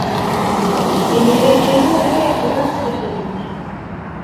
Imir-a kan ara yeqleɛ usafag-nni.